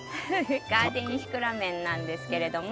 ガーデンシクラメンなんですけれども。